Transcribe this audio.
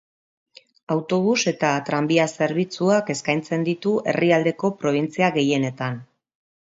Autobus eta tranbia zerbitzuak eskaintzen ditu herrialdeko probintzia gehienetan.